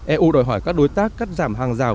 eu đòi hỏi các đối tác cắt giảm hàng rào